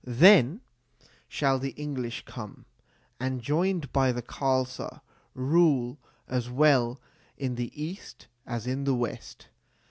Then shall the English come, and, joined by the Khalsa, rule as well in the East as in the West.